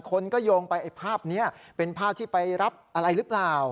คนก็โยงไปไอ้ภาพนี้เป็นภาพที่ไปรับอะไรหรือเปล่า